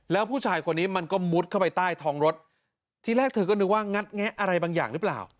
แล้วผู้ชายคนนี้มันก็มุดเข้าไปใต้ท้องรถทีแรกเธอก็นึกว่างัดแงะอะไรบางอย่างหรือเปล่า